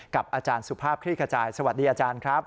อาจารย์สุภาพคลี่ขจายสวัสดีอาจารย์ครับ